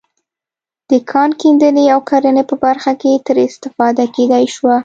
د کان کیندنې او کرنې په برخه کې ترې استفاده کېدای شوه.